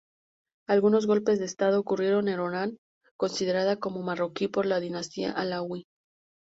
Algunos golpes de estado ocurrieron en Orán, considerada como marroquí por la dinastía alauí.